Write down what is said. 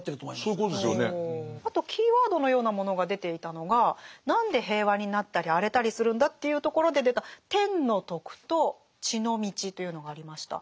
あとキーワードのようなものが出ていたのが何で平和になったり荒れたりするんだというところで出た「天の徳」と「地の道」というのがありました。